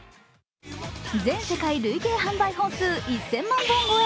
全世界累計販売本数１０００万本超え。